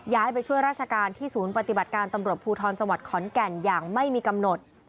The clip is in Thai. ไปช่วยราชการที่ศูนย์ปฏิบัติการตำรวจภูทรจังหวัดขอนแก่นอย่างไม่มีกำหนด